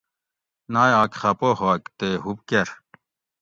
نایاک خفہ ھوگ تے ھُب کر